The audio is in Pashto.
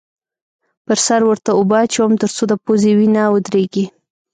پر سر ورته اوبه اچوم؛ تر څو د پوزې وینه یې ودرېږې.